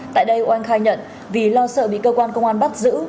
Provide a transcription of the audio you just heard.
tại đây oanh khai nhận vì lo sợ bị cơ quan công an bắt giữ